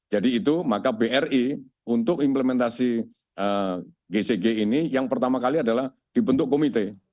itu maka bri untuk implementasi gcg ini yang pertama kali adalah dibentuk komite